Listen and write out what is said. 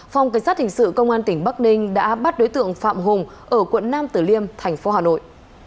phòng cảnh sát hình sự công an tỉnh bắc ninh đã bắt đối tượng phạm hùng ở quận nam tử liêm thành phố hà nội